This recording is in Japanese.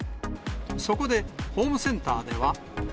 そこで、ホームセンターでは。